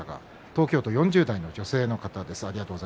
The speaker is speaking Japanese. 東京都４０代の女性の方です。